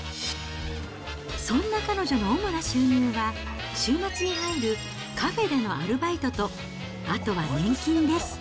そんな彼女の主な収入は、週末に入るカフェでのアルバイトと、あとは年金です。